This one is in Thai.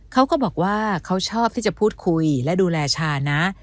เขาก็บอกว่าเขาชอบที่จะพูดคุยและดูแลชานะ